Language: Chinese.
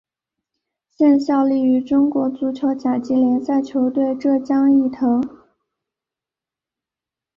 现效力于中国足球甲级联赛球队浙江毅腾。